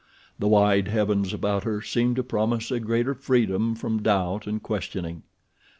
The wide heavens about her seemed to promise a greater freedom from doubt and questioning.